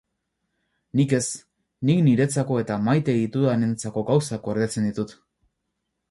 Nik ez, nik niretzako eta maite ditudanentzako gauzak gordetzen ditut.